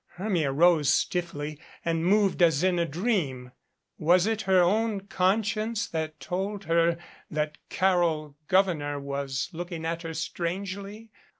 Hermia rose stiffly and moved as in a dream. Was it her own conscience that told her that Carol Gouverneur was looking at her strangely?